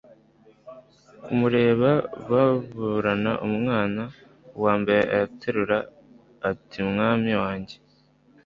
kumureba baburana umwana. uwa mbere araterura atimwami wange